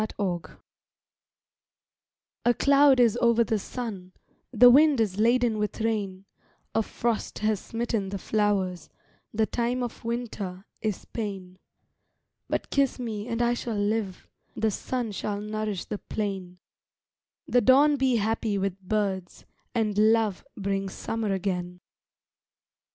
A SONG A cloud is over the sun, The wind is laden with rain, A frost has smitten the flowers; The time of Winter is pain. But kiss me and I shall live, The sun shall nourish the plain, The dawn be happy with birds And love bring Summer again.